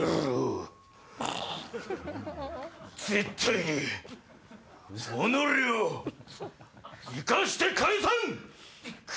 絶対におのれを生かして帰さん！